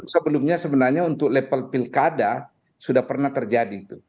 sebelumnya sebenarnya untuk level pilkada sudah pernah terjadi